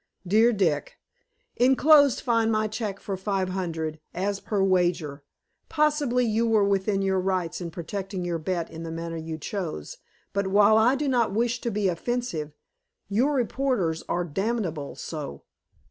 Dear Dick: Enclosed find my check for five hundred, as per wager. Possibly you were within your rights in protecting your bet in the manner you chose, but while I do not wish to be offensive, your reporters are damnably so.